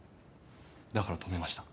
だから止めました。